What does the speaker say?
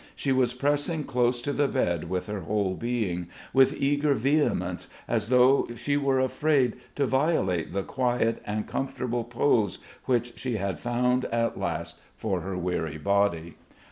She was pressing close to the bed with her whole being, with eager vehemence, as though she were afraid to violate the quiet and comfortable pose which she had found at last for her weary body.